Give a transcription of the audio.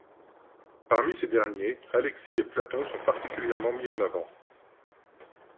Parmi ces derniers, Alexis et Platon sont particulièrement mis en avant.